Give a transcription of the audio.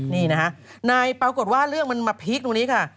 นี่นะฮะนายปรากฏว่าเรื่องมันมาพีคตรงนี้ค่ะ